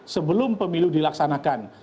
sebelum pemilu dilaksanakan